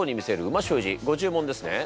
ご注文ですね？